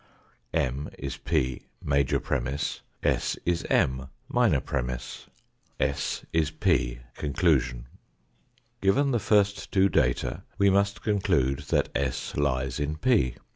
M is P, major premiss; s is M, minor premiss; s is p, conclusion. Given the first two data we must conclude that s lies in p.